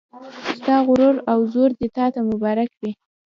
ستا غرور او زور دې تا ته مبارک وي